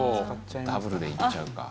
ダブルでいっちゃうか。